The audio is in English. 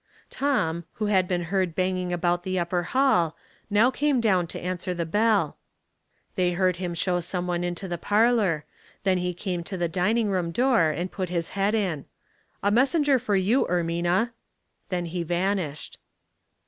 Tom, who had been heard banging about the upper hall, now came down to answer the bell. They heard him show some one into the parlor ; then he came to the dining room door and put his head in. '* A messenger for you, Ermina." Then he vanished.